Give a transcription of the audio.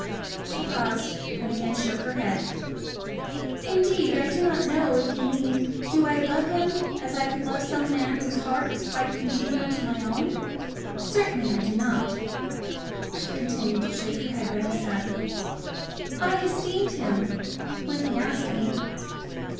She paused, and again shook her head. "Indeed, I do not know. If you mean, do I love him, as I could love some man whose heart was quite congenial to my own, certainly I do not." She continued to shake her head very sadly. "I esteemed him, when he asked me."